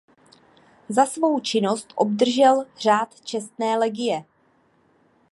Za svou činnost obdržel Řád čestné legie.